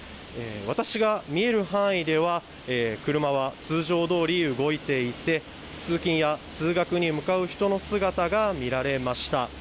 私が見える範囲では、車は通常どおり動いていて、通勤や通学に向かう人の姿が見られました。